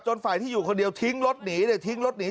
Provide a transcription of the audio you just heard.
ฝ่ายที่อยู่คนเดียวทิ้งรถหนีทิ้งรถหนี